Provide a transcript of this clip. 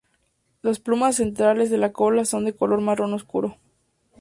Las plumas centrales de la cola son de color marrón oscuro.